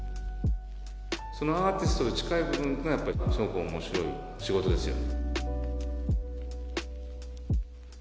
そのアーティストと近い部分っていうのはやっぱりすごく面白い仕事ですよ